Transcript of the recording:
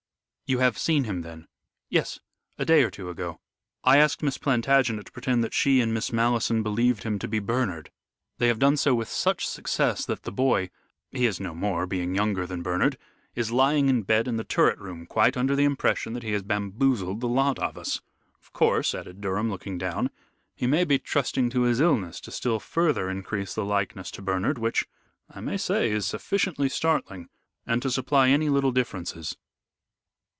"You have seen him then?" "Yes. A day or two ago. I asked Miss Plantagenet to pretend that she and Miss Malleson believed him to be Bernard. They have done so with such success that the boy he is no more, being younger than Bernard is lying in bed in the turret room quite under the impression that he has bamboozled the lot of us. Of course," added Durham, looking down, "he may be trusting to his illness to still further increase the likeness to Bernard, which, I may say, is sufficiently startling, and to supply any little differences."